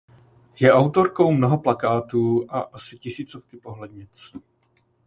Je autorkou mnoha plakátů a asi tisícovky pohlednic.